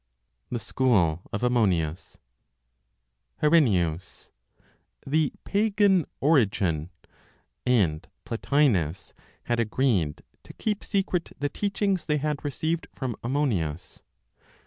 THE SCHOOL OF AMMONIUS. Herennius, (the pagan) Origen, and Plotinos had agreed to keep secret the teachings they had received from Ammonius.